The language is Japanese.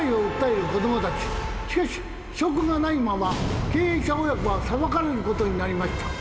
しかし証拠がないまま経営者親子は裁かれることになりました。